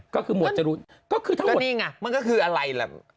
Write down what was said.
ก็เนี่ยฟังอ่ะมันก็คืออะไรเลย